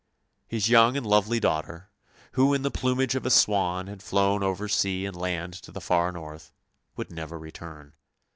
His young and lovely daughter, who in the plumage of a swan had flown over sea and land to the far north, would never return.